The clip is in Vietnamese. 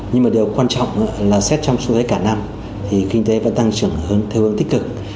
nhưng mà điều quan trọng là xét trong số thấy cả năm thì kinh tế vẫn tăng trưởng theo hướng tích cực